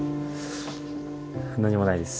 何もないです。